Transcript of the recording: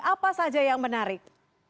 apa saja yang menarik